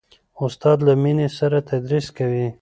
استاد له مینې سره تدریس کوي.